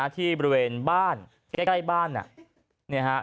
ที่บริเวณบ้านใกล้บ้าน